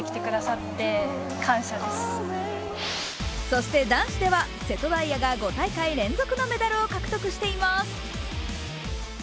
そして男子では、瀬戸大也が５大会連続のメダルを獲得しています。